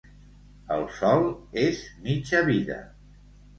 El sol és mitja vida.